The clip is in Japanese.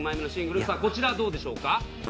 さあこちらどうでしょうか。